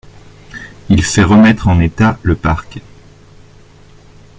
Il fait remettre en état le parc.